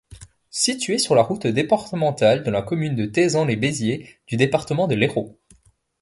Situé sur la route départementale dans la commune de Thézan-lès-Béziers du département de l'Hérault.